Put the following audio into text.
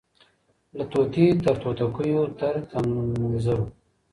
له طوطي تر توتکیو تر تنزرو